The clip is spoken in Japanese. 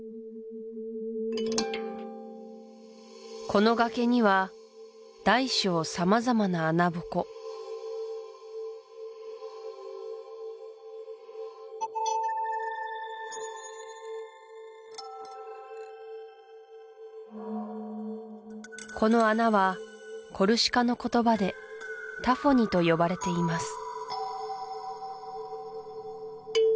この崖には大小様々な穴ボコこの穴はコルシカの言葉でタフォニと呼ばれています